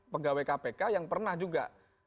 pegawai kpk yang pernah juga